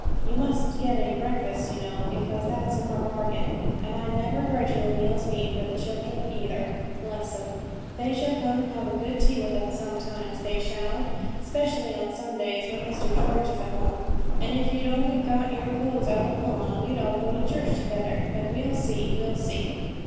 You mustn't get any breakfast, you know, because that's in our bargain; and I'd never grudge you a meal's meat for the children either, bless 'em! They shall come and have a good tea with us sometimes, they shall specially on Sundays, when Mr George is at home; and if you'd only got your clothes out o' pawn, we'd all go to church together. But we'll see, we'll see.'